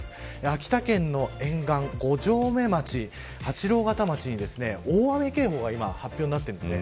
秋田県の沿岸、五城目町八郎潟町に大雨警報が発表になっています。